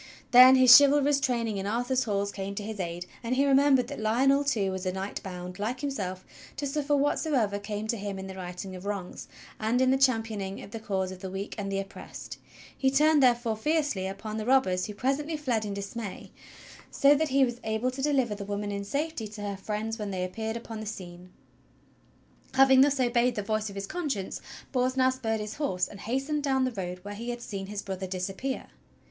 Then his chivalrous train ing in Arthur's halls came to his aid, and he remembered that Lionel too was a knight bound, like himself, to suffer whatsoever came to him in the righting of wrongs, and in the championing of the cause of the weak and the oppressed. He turned, therefore, fiercely upon the robbers who presently fled in dismay, so that he was able tp THE QUEST OF THE HOLY GRAIL 125 deliver the woman in safety to her friends when they appeared upon the scene. Having thus obeyed the voice of his conscience, Bors now spurred his horse and hastened down the road where he had seen his brother disappear.